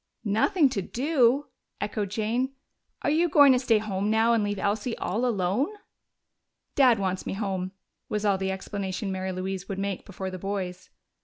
"Nothing to do?" echoed Jane. "Are you going to stay home now and leave Elsie all alone?" "Dad wants me home," was all the explanation Mary Louise would make before the boys.